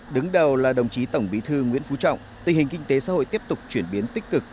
đứng đầu là đồng chí tổng bí thư nguyễn phú trọng tình hình kinh tế xã hội tiếp tục chuyển biến tích cực